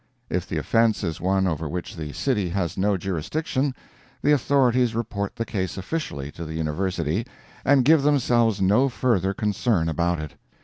If the offense is one over which the city has no jurisdiction, the authorities report the case officially to the University, and give themselves no further concern about it.